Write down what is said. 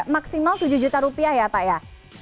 maksimal tujuh juta rupiah ya pak ya